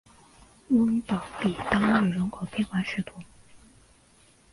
翁堡比当日人口变化图示